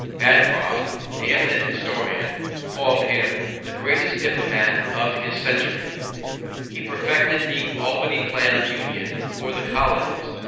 Bancroft, the eminent historian, called him "the greatest diplomatist of his century." He perfected the Albany Plan of Union for the colonies.